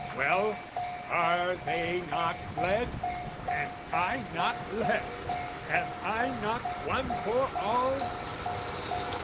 "Well, are they not fled? "Am I not left, am I not one for all?